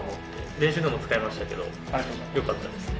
練習でも使いましたけど、よかったですね。